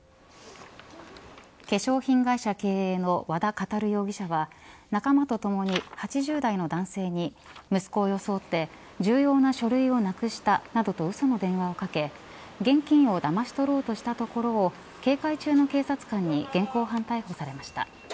化粧品会社経営の和田教容疑者は仲間とともに８０代の男性に息子を装って重要な書類をなくしたなどとうその電話をかけ現金をだまし取ろうとしたところを警戒中の警察官に現行犯逮捕されました。